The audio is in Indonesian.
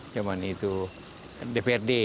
zaman itu dprd